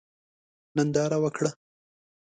ننداره وکړه.